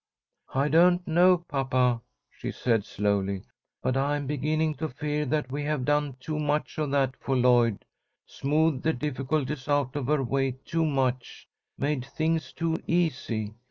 "I don't know, papa," she said, slowly, "but I'm beginning to fear that we have done too much of that for Lloyd; smoothed the difficulties out of her way too much; made things too easy.